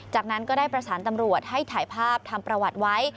จากนั้นก็ได้ประสานตำรวจให้ถ่ายภาพทำประวัติไว้